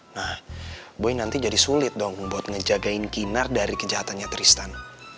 nah boy nanti jadi sulit dong buat ngejagain kinar dari kejahatannya tristan